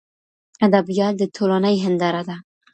ادبیات د ټولني هنداره ده.